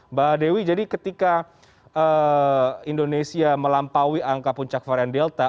mbak dewi jadi ketika indonesia melampaui angka puncak varian delta